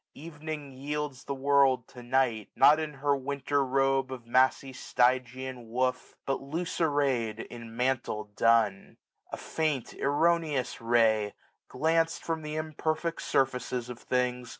Evening yields The world to Night ; not in her winter robe Of massy Stygian woof, but loose array'd 1685 In mantle dun. A faint erroneous ray, GlancM from th* imperfect surfaces of things.